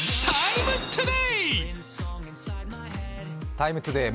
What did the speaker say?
「ＴＩＭＥ，ＴＯＤＡＹ」